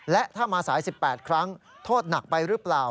และถ้ามาสาย๑๘ครั้งโทษหนักไปหรือเปล่า